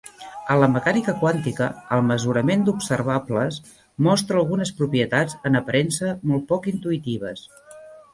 En la mecànica quàntica, el mesurament d'observables mostra algunes propietats en aparença molt poc intuïtives.